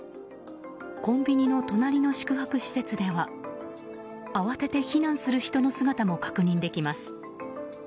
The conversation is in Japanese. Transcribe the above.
コンビニの隣の宿泊施設では慌てて避難する人の姿も確認できます。